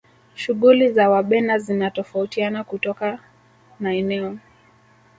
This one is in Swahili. shughuli za wabena zinatofautiana kutoka na eneo